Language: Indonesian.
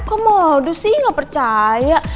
kok modus sih nggak percaya